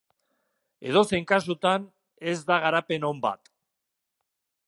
Edozein kasutan, ez da garapen on bat.